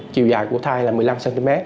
chiều dài của thai là một mươi năm cm